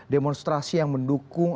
demonstrasi yang mendukung